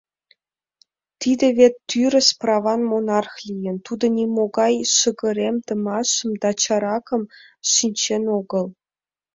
Тиде вет тӱрыс праван монарх лийын, тудо нимогай шыгыремдымашым да чаракым шинчен огыл.